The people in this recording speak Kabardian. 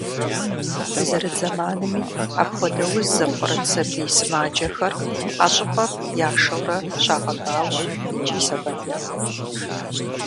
Дызэрыт зэманми, апхуэдэ уз зыпкърыт сабий сымаджэхэр а щӀыпӀэм яшэурэ щагъэбауэ икӀи сэбэп яхуохъу.